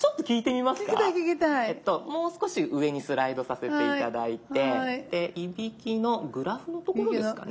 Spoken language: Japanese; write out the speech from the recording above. もう少し上にスライドさせて頂いていびきのグラフの所ですかね。